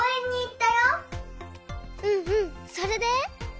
うんうんそれで？